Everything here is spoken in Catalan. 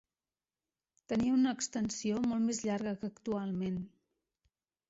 Tenia una extensió molt més llarga que actualment.